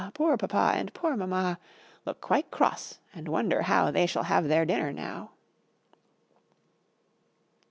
Poor Papa, and poor Mamma Look quite cross, and wonder how They shall have their dinner now.